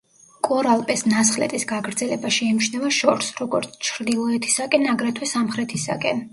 კორალპეს ნასხლეტის გაგრძელება შეიმჩნევა შორს, როგორც ჩრდილოეთისაკენ, აგრეთვე სამხრეთისაკენ.